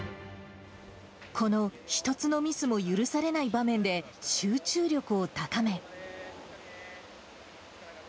この一つのミスも許されない場面で、集中力を高め。